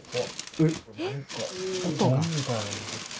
えっ？